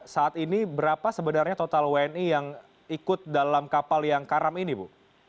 saat ini berapa sebenarnya total wni yang ikut dalam kapal yang karam ini bu